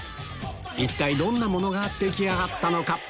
一体どんなものが出来上がったのか？